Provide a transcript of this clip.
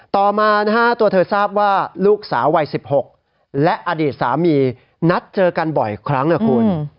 ต่อมานะฮะตัวเธอทราบว่าลูกสาววัย๑๖และอดีตสามีนัดเจอกันบ่อยครั้งนะคุณ